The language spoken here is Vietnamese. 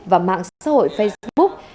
và mạng xã hội facebook